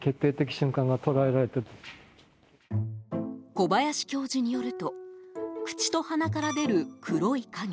小林教授によると口と鼻から出る黒い影。